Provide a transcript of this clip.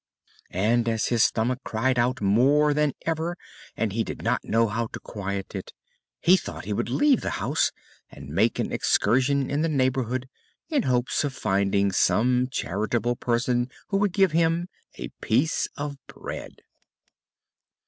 And, as his stomach cried out more than ever and he did not know how to quiet it, he thought he would leave the house and make an excursion in the neighborhood in hopes of finding some charitable person who would give him a piece of bread.